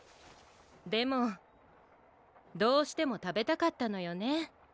でもどうしてもたべたかったのよね。